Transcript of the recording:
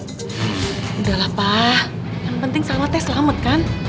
udah lah pak yang penting salmatnya selamat kan